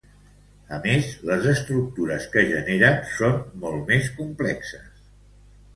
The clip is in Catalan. A més, les estructures que generen són molt més complexes.